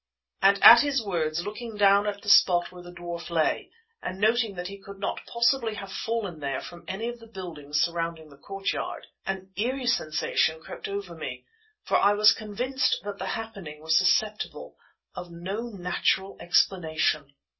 And at his words, looking down at the spot where the dwarf lay, and noting that he could not possibly have fallen there from any of the buildings surrounding the courtyard, an eerie sensation crept over me; for I was convinced that the happening was susceptible of no natural explanation.